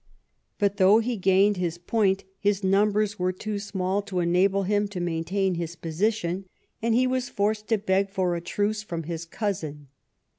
But though he gained his point, his numbers were too small to enable him to maintain Ids position, and he 11 EDWARD AND THE BARONS WARS 35 was forced to beg for a truce from his cousin.